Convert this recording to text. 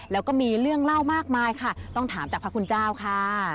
แล้วก็มีเรื่องเล่ามากมายค่ะต้องถามจากพระคุณเจ้าค่ะ